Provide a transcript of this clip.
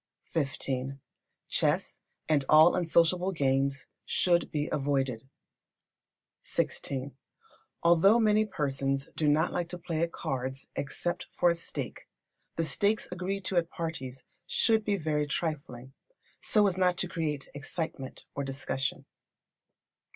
xv. Chess and all unsociable games should be avoided. xvi. Although many persons do not like to play at cards except for a stake, the stakes agreed to at parties should be very trifling, so as not to create excitement or discussion.